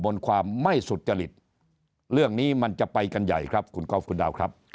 บนความไม่สุตรจริตเรื่องนี้มันจะไปกันใหญ่ครับคุณครับ